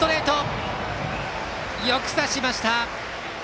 よく刺しました。